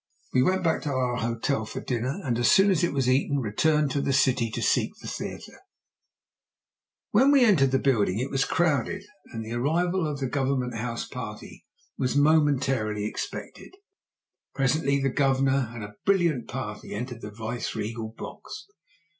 We went back to our hotel for dinner, and as soon as it was eaten returned to the city to seek the theatre. When we entered it the building was crowded, and the arrival of the Government House party was momentarily expected. Presently the Governor and a brilliant party entered the vice regal box.